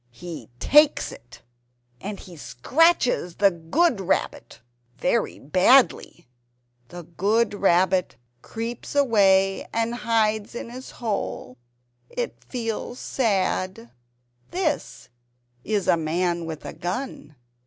He takes it! And he scratches the good Rabbit very badly. The good Rabbit creeps away and hides in a hole. It feels sad. This is a man with a gun.